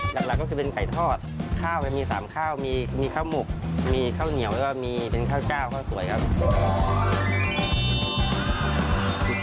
หลักก็คือเป็นไก่ทอดข้าวจะมี๓ข้าวมีข้าวหมกมีข้าวเหนียวแล้วก็มีเป็นข้าวเจ้าข้าวสวยครับ